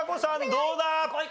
どうだ？